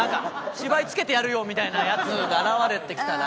芝居つけてやるよみたいなヤツが現れてきたら。